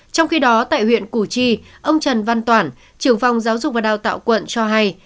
trong khi đó tại huyện củ chi ông trần văn toản trưởng phòng giáo dục và đào tạo quận cho hay